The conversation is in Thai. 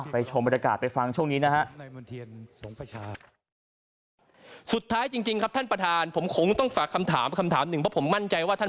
ชมบรรยากาศไปฟังช่วงนี้นะฮะ